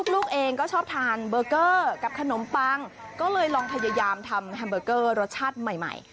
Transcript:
ลูกเองก็ชอบทานเบอร์เกอร์กับขนมปังก็เลยลองพยายามทำแฮมเบอร์เกอร์รสชาติใหม่